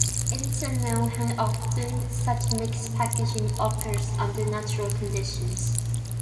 It is unknown how often such mixed packaging occurs under natural conditions.